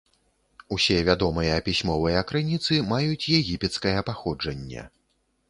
Усе вядомыя пісьмовыя крыніцы маюць егіпецкае паходжанне.